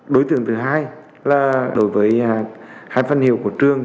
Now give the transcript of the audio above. đối tượng thứ hai là đối với hai phân hiệu của trường